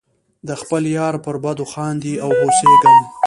د خپل یار پر بدو خاندې او هوسیږم.